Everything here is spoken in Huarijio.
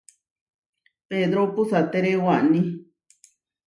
Pedró puʼsatere waní.